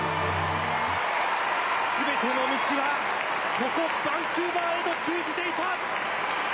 全ての道はここバンクーバーへと通じていた！